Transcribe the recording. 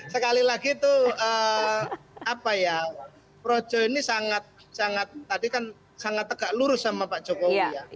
sekali lagi tuh projo ini sangat tegak lurus sama pak jokowi